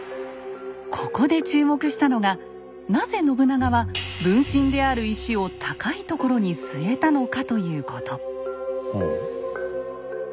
ここで注目したのがなぜ信長は分身である石を高いところにすえたのかということ。